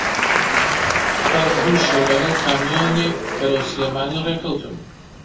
پاش دوو شەو لەگەڵ کامیۆنێک بەرەو سلێمانی ڕێ کەوتم